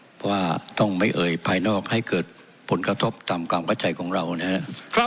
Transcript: เพราะว่าต้องไม่เอ่ยภายนอกให้เกิดผลกระทบตามความเข้าใจของเรานะครับ